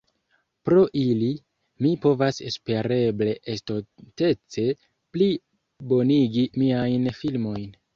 Pro ili, mi povas espereble estontece pli bonigi miajn filmojn.